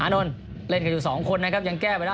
นนท์เล่นกันอยู่สองคนนะครับยังแก้ไม่ได้